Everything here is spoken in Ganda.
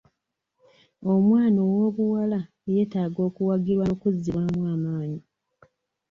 Omwana ow'obuwala yetaaga okuwagirwa nokuzibwamu amaanyi.